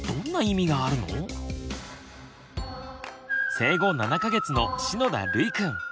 生後７か月の篠田るいくん。